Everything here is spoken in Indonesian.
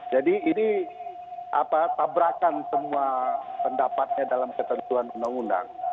jadi ini tabrakan semua pendapatnya dalam ketentuan undang undang